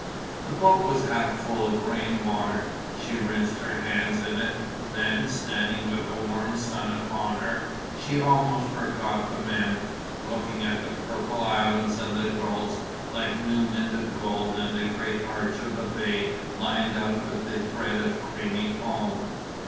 The boat was half full of rain water. She rinsed her hands in it, then, standing with the warm sun upon her, she almost forgot the men, looking at the purple islands and the gulls like new minted gold and the great arch of the bay lined out with a thread of creamy foam.